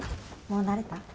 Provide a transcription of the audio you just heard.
もう慣れた？